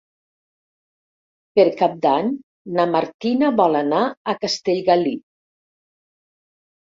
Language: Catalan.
Per Cap d'Any na Martina vol anar a Castellgalí.